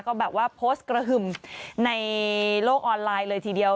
ก็แบบว่าโพสต์กระหึ่มในโลกออนไลน์เลยทีเดียว